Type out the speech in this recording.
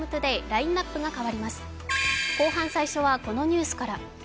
後半最初は、このニュースから。